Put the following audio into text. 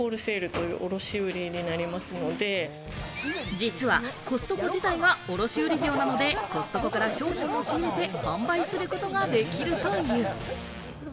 実はコストコ自体が卸売業なのでコストコから商品を仕入れて販売することができるという。